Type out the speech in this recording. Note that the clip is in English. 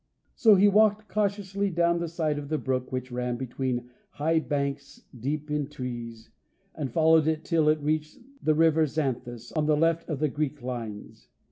So he walked cautiously down the side of the brook which ran between high banks deep in trees, and followed it till it reached the river Xanthus, on the left of the Greek lines.